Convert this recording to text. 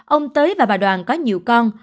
ông tới và bà đoàn có nhiều con